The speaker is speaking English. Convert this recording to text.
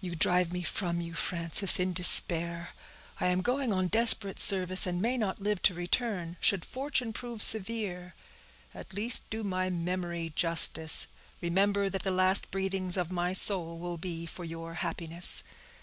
You drive me from you, Frances, in despair. I am going on desperate service, and may not live to return. Should fortune prove severe, at least do my memory justice; remember that the last breathings of my soul will be for your happiness."